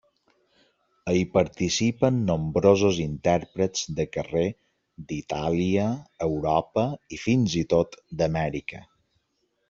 Hi participen nombrosos intèrprets de carrer d'Itàlia, Europa i fins i tot d'Amèrica.